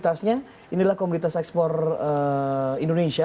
nah makanya pengusaha indonesia harus juga pemerintah bekerja sama untuk membuka pasar